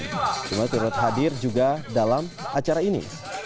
jokowi dodo turut hadir juga dalam acara ini